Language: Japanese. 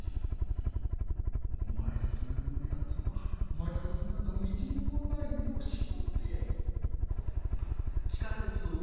お前という奴は迷いなどみじんもない目をしおって。